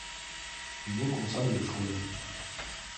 Ленук омсадӱреш кодо.